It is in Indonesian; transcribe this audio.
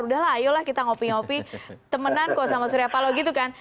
udah lah ayolah kita ngopi ngopi temenan kok sama surya pahlaw gitu kan